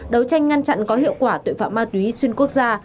đấu tranh ngăn chặn có hiệu quả tội phạm ma túy xuyên quốc gia